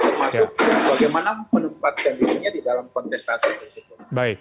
termasuk bagaimana menempatkan dirinya di dalam kontestasi tersebut